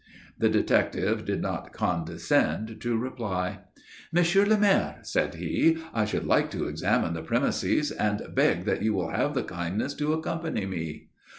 The detective did not condescend to reply. "Monsieur le Maire," said he, "I should like to examine the premises, and beg that you will have the kindness to accompany me."